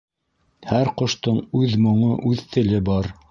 Һәр ҡоштоң үҙ моңо, үҙ теле бар.